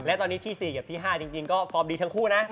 และตอนนี้ที่๔กับที่๕จริงก็ฟอร์มดีทั้งคู่นะ